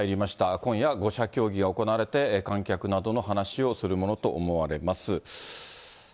今夜５者協議が行われて、観客などの話をするものと思われます。